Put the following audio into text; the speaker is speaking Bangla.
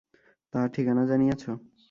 তাহার ঠিকানা জানিয়াছ?